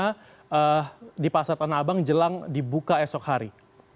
karena di pasar tanah abang jelang dibuka esok hari